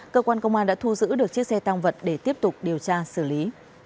cơ quan công an đã thu giữ được chiếc xe tăng vật để tiếp tục điều tra xử lý